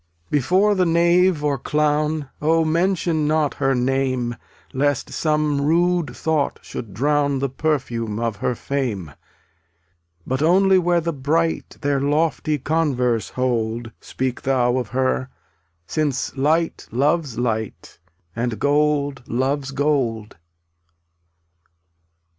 k ftttldt Before the knave or clown, Oh, mention not her name Lest some rude thought should drown The perfume of her fame; But only where the bright Their lofty converse hold, Speak thou of her, since light Loves light, and gold loves gold.